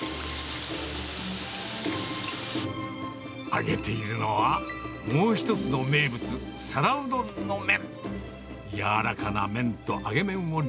揚げているのは、もう一つの名物、皿うどんの麺。